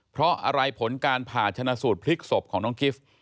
เพราะอะไรผลการผ่าชนะสูตรพลิกศพของน้องกิฟต์